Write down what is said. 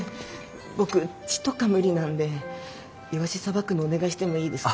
僕血とか無理なんでイワシさばくのお願いしてもいいですか？